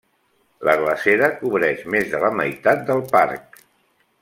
La glacera cobreix més de la meitat del parc.